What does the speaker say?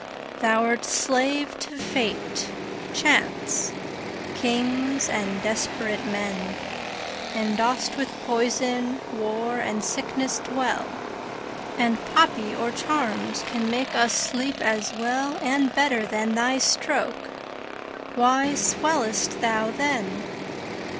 Thou'rt slave to fate, chance, kings, and desperate men, And dost with poison, war, and sickness dwell; 10 And poppy or charms can make us sleep as well And better than thy stroke. Why swell'st thou then?